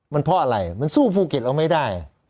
มันเพราะอะไรมันสู้ภูเก็ตเราไม่ได้